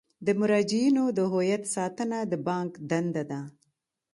د مراجعینو د هویت ساتنه د بانک دنده ده.